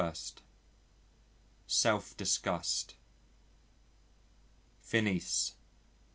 Self disgust. FINIS.